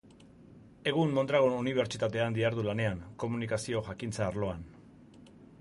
Egun Mondragon Unibertsitatean dihardu lanean, Komunikazioa jakintza-arloan.